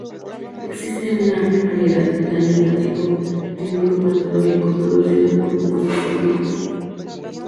Existe una amplia variedad de daño hepático clínico y patológico producidos por compuestos químicos.